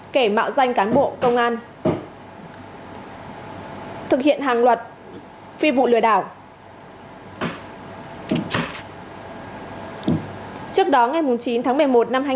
nguyễn hải hà chú tại đồng thái an dương hải phòng kể mạo danh cán bộ công an thực hiện hàng luật phi vụ lừa đảo